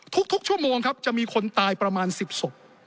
ทุกชั่วโมงครับจะมีคนตายประมาณ๑๐ศพ